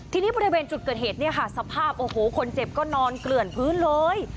ทีนี้บริเวณจุดเกิดเหตุเนี่ยค่ะสภาพโอ้โหคนเจ็บก็นอนเกลื่อนพื้นเลย